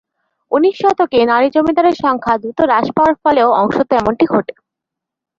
উনিশ শতকে নারী জমিদারের সংখ্যা দ্রুত হ্রাস পাওয়ার ফলেও অংশত এমনটি ঘটে।